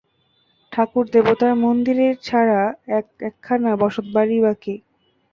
ঠাকুর-দেবতার মন্দির ছাড়া এক-একখানা বসতবাড়িই বা কি!